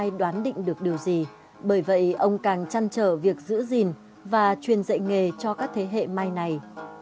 ai đoán định được điều gì bởi vậy ông càng chăn trở việc giữ gìn và truyền dạy nghề cho các thế hệ mai này